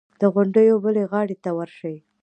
د غونډیو بلې غاړې ته ورشي.